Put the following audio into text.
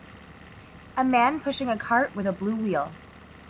A man pushing a cart with a blue wheel.